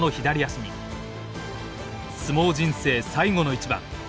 相撲人生最後の一番。